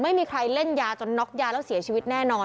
ไม่มีใครเล่นยาจนน็อกยาแล้วเสียชีวิตแน่นอน